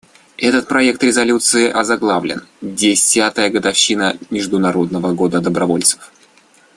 Этот проект резолюции озаглавлен «Десятая годовщина Международного года добровольцев».